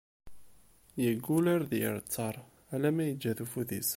Yeggul ar d-yerr ttaṛ, ala ma yeǧǧa-t ufud-is.